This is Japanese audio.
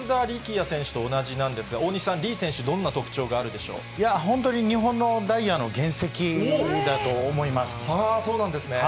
ポジションは松田力也選手と同じなんですが、大西さん、李選手、本当に日本のダイヤの原石だそうなんですね。